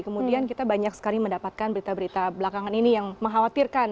kemudian kita banyak sekali mendapatkan berita berita belakangan ini yang mengkhawatirkan